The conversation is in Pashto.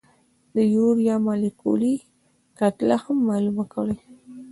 د یوریا مالیکولي کتله هم معلومه کړئ.